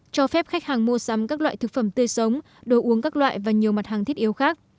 cho phép khách hàng mua sắm các loại thực phẩm tươi sống đồ uống các loại và nhiều mặt hàng thiết yếu khác